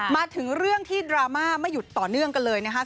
มาถึงเรื่องที่ดราม่าไม่หยุดต่อเนื่องกันเลยนะครับ